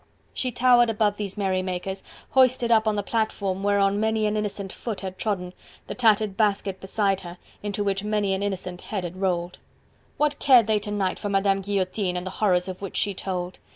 She towered above these merrymakers, hoisted up on the platform whereon many an innocent foot had trodden, the tattered basket beside her, into which many an innocent head had rolled. What cared they to night for Madame Guillotine and the horrors of which she told?